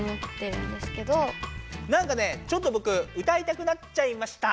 なんかねちょっとぼく歌いたくなっちゃいました。